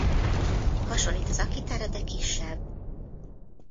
Hasonlít az akitára de kisebb.